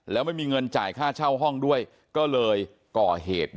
แล้วไม่มีเงินจ่ายค่าเช่าห้องด้วยก็เลยก่อเหตุ